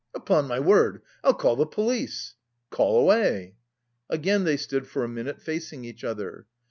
"Upon my word! I'll call the police!" "Call away!" Again they stood for a minute facing each other.